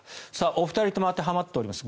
お二人とも当てはまっております